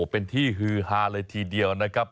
เป็นที่ฮือฮาเลยทีเดียวนะครับ